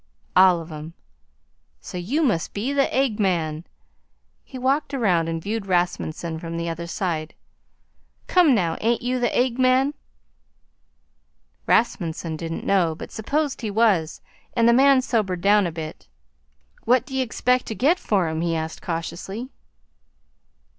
"All of 'em." "Say, you must be the Egg Man." He walked around and viewed Rasmunsen from the other side. "Come, now, ain't you the Egg Man?" Rasmunsen didn't know, but supposed he was, and the man sobered down a bit. "What d'ye expect to get for 'em?" he asked cautiously.